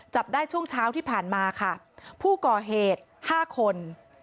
จับได้ช่วงเช้าที่ผ่านมาค่ะผู้ก่อเหตุห้าคน